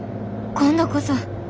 今度こそ。